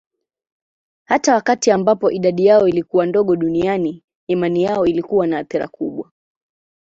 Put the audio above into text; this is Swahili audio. Hata wakati ambapo idadi yao ilikuwa ndogo duniani, imani yao ilikuwa na athira kubwa.